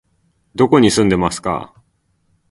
どこに住んでいますか？